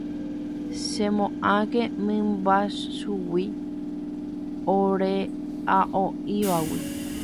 Chemo'ãke mymbachu'i ore'aho'ívagui